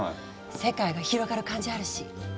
世界が広がる感じあるし。